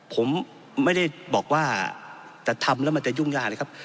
ผมไม่ได้บอกว่าแต่ทำแล้วมันจะยุ่งยากเลยครับ